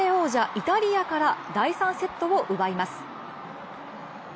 イタリアから第３セットを奪います